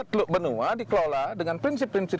teluk benua dikelola dengan prinsip prinsip